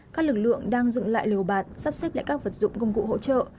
các lực lượng đang dựng lại liều bạt sắp xếp lại các vật dụng công cụ hỗ trợ